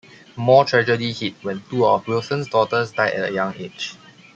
More tragedy hit when two of Wilson's daughters died at a young age.